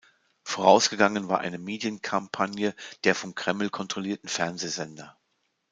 Vorausgegangen war eine Medienkampagne der vom Kreml kontrollierten Fernsehsender.